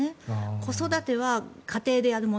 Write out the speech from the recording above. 子育ては家庭でやるもの。